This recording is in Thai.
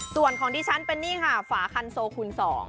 ส่วนของที่ฉันเป็นนี่ค่ะฝาคันโซคูณ๒